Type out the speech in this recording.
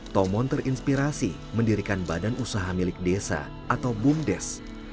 tomon terinspirasi mendirikan badan usaha milik desa atau bumdes